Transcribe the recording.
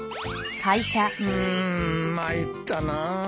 うん参ったな。